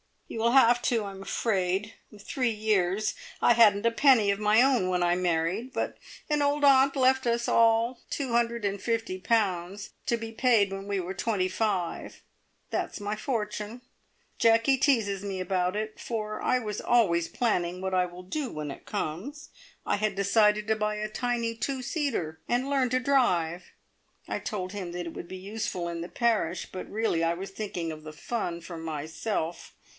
"You will have to, I'm afraid. Three years! I hadn't a penny of my own when I married, but an old aunt left us all two hundred and fifty pounds, to be paid when we were twenty five. That's my fortune! Jacky teases me about it, for I was always planning what I will do when it comes. I had decided to buy a tiny two seater, and learn to drive. I told him that it would be useful in the parish, but really I was thinking of the fun for myself.